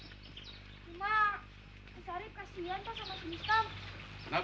dia jadi minder